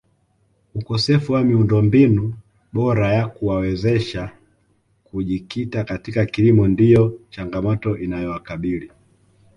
Ukosefu wa miundombinu bora ya kuwawezesha kujikita katika kilimo ndiyo changamoto inayowakabili